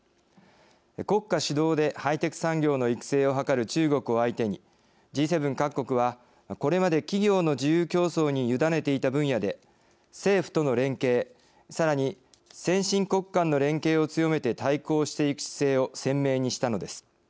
国家主導でハイテク産業の育成を図る中国を相手にＧ７各国は、これまで企業の自由競争に委ねていた分野で政府との連携、さらに先進国間の連携を強めて対抗していく姿勢を鮮明にしたのです。